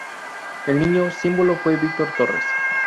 El niño símbolo fue Víctor Torres.